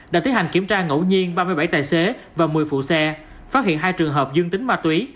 đã tiến hành kiểm tra ngẫu nhiên ba mươi bảy tài xế và một mươi phụ xe phát hiện hai trường hợp dương tính ma túy